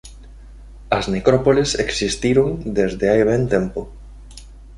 As necrópoles existiron desde hai ben tempo.